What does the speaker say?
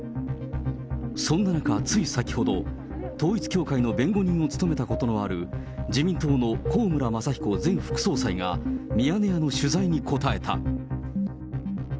そんな中、つい先ほど、統一教会の弁護人を務めたことのある、自民党の高村正彦前副総裁が、ミヤネ屋の取材に答えた。